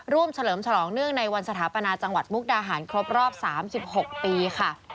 เฉลิมฉลองเนื่องในวันสถาปนาจังหวัดมุกดาหารครบรอบ๓๖ปีค่ะ